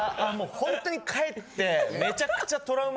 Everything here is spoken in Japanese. ホントに帰って。